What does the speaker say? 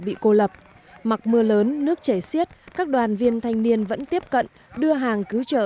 bị cô lập mặc mưa lớn nước chảy xiết các đoàn viên thanh niên vẫn tiếp cận đưa hàng cứu trợ